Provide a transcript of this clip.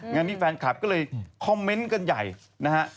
งานนี้แฟนคลับก็เลยคอมเมนต์กันใหญ่นะฮะ